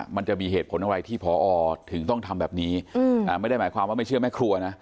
มันจะมีเหตุผลอะไรที่พอถึงต้องทำแบบนี้ไม่ได้หมายความว่าไม่เชื่อแม่ครัวนะ